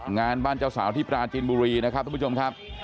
งานบ้านเจ้าสาวที่ปราจินบุรีนะครับทุกผู้ชมครับ